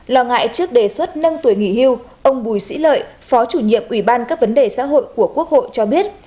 lo ngại trước đề xuất nâng tuổi nghỉ hưu ông bùi sĩ lợi phó chủ nhiệm ủy ban các vấn đề xã hội của quốc hội cho biết